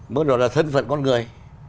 mưa đỏ là thân phận con người